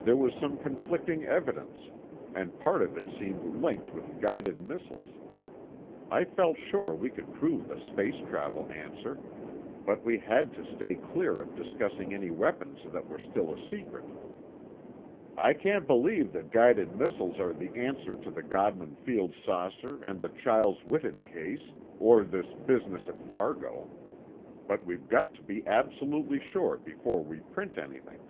There was some conflicting evidence, and part of it seemed linked with guided missiles. I felt sure we could prove the space travel answer, but we had to stay clear of discussing any weapons that were still a secret. "I can't believe that guided missiles are the answer to the Godman Field saucer and the Chiles Whitted case, or this business at Fargo. But we're got to be absolutely sure before we print anything."